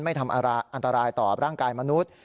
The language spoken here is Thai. ไม่ทำอันตรายต่อร่างกายมนุษย์